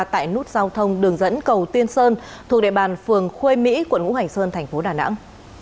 tại nút giao thông đường dẫn cầu tiên sơn thuộc địa bàn phường khuê mỹ quận ngũ hành sơn thành phố đà nẵng